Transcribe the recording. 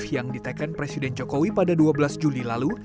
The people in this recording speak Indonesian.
yang diteken presiden jokowi pada dua belas juli lalu